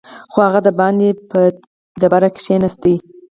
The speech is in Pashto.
خو هغه دباندې په تيږه کېناست.